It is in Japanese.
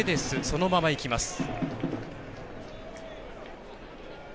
そのままいきます。